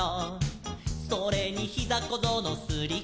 「それにひざこぞうのすりきずを」